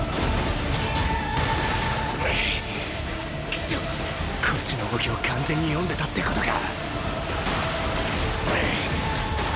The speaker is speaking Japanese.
クソッこっちの動きを完全に読んでたってことか！